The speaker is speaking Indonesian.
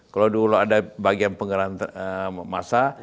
kalau dulu ada bagian penggerak masa